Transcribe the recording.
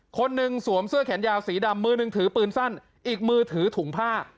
คนหนึ่งสวมเสื้อแขนยาวสีดำมือหนึ่งถือปืนสั้นอีกมือถือถุงผ้า